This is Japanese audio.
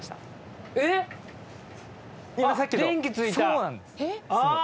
そうなんです！